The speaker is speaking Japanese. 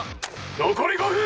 残り５分！